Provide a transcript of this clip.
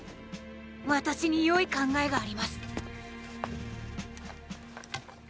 私によい考えがあります。